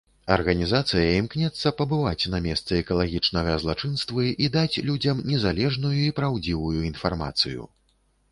Арганізацыя імкнецца пабываць на месцы экалагічнага злачынствы і даць людзям незалежную і праўдзівую інфармацыю.